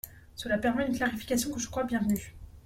Cela permet une clarification que je crois bienvenue.